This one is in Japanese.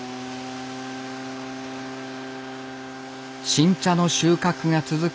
新茶の収穫が続く